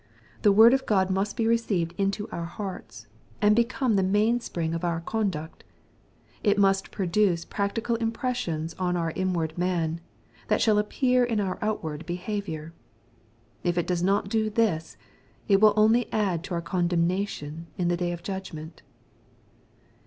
The word of Qtod must be received into our hearts, and become the mainspring of our conduct. It must produce practical impressions on our inward man, that shall appear incur outward behavior. If it does not do this, it will only add to our condemnation in the day of judgment.